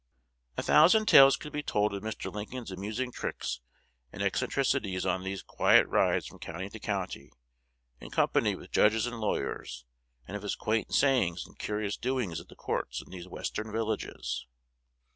A thousand tales could be told of Mr. Lincoln's amusing tricks and eccentricities on these quiet rides from county to county, in company with judges and lawyers, and of his quaint sayings and curious doings at the courts in these Western villages.